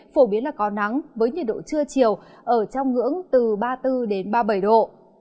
phổ biến là có nắng với nhiệt độ trưa chiều ở trong ngưỡng từ ba mươi bốn đến ba mươi bảy độ